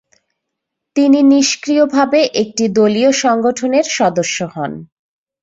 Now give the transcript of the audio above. তিনি নিষ্ক্রিয়ভাবে একটি দলীয় সংগঠনের সদস্য হন।